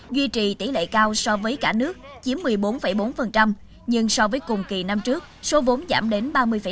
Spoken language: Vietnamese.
duy trì tỷ lệ cao so với cả nước chiếm một mươi bốn bốn nhưng so với cùng kỳ năm trước số vốn giảm đến ba mươi năm